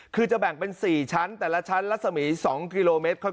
คือจะแบ่งเป็น๔ชั้นแต่ละชั้นรัศมี๒กิโลเมตร